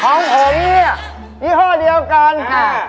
ของผมเนี่ยยี่ห้อเดียวกันค่ะ